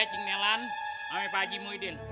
ncing nelan sama pak haji muhyiddin